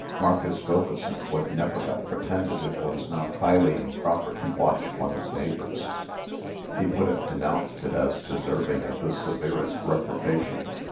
Marcus Wilkeson would never have pretended that it was not highly improper to watch one's neighbors. He would have denounced it as deserving of the severest reprobation.